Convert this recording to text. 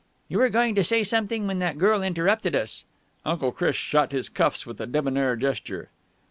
"You were going to say something when that girl interrupted us." Uncle Chris shot his cuffs with a debonair gesture.